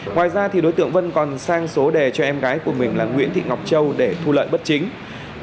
ngoài ra đối tượng vân còn sang số đề cho em gái của mình là nguyễn thị ngọc châu để thu lợi bất chính